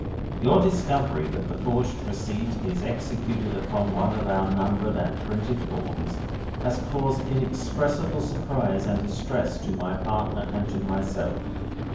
"Your discovery that the forged receipt is executed upon one of our numbered and printed forms has caused inexpressible surprise and distress to my partner and to myself.